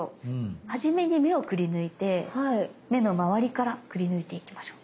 初めに目をくりぬいて目のまわりからくりぬいていきましょう。